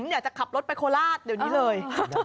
อยากจะขับรถไปโคราชเดี๋ยวนี้เลย